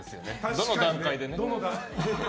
どの段階でね。